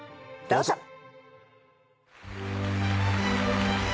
どうぞ。